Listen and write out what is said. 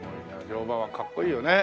乗馬はかっこいいよね。